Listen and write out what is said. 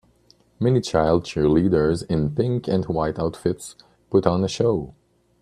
Many child cheerleaders in pink and white outfits put on a show.